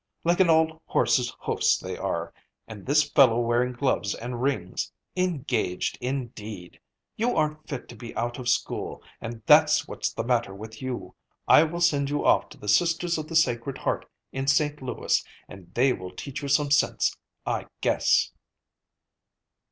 Like an old horse's hoofs they are—and this fellow wearing gloves and rings! Engaged, indeed! You aren't fit to be out of school, and that's what's the matter with you. I will send you off to the Sisters of the Sacred Heart in St. Louis, and they will teach you some sense, I guess!"